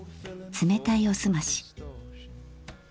冷たいおすまし。